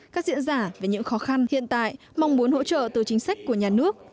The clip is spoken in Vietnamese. các diễn giả về những khó khăn hiện tại mong muốn hỗ trợ từ chính sách của nhà nước